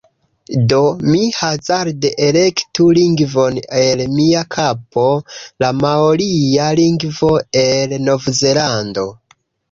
Do, mi hazarde elektu lingvon el mia kapo... la maoria lingvo el Novzelando